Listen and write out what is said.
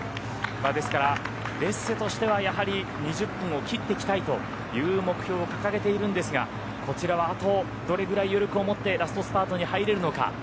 ですからデッセとしてはやはり２０分を切っていきたいという目標を掲げているんですが、こちらはあとどれぐらい余力を持ってラストスパートに入れるのか。